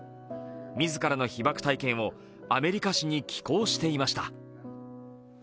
自らの被爆体験をアメリカ紙に寄稿していました。